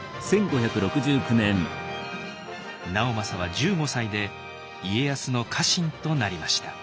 直政は１５歳で家康の家臣となりました。